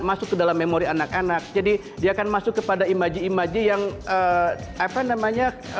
masuk ke dalam memori anak anak jadi dia akan masuk kepada imaji imaji yang apa namanya